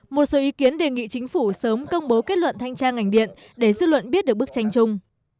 một số ý kiến đề nghị chính phủ sớm công bố kết luận thanh tra ngành điện để dư luận biết được bức tranh chung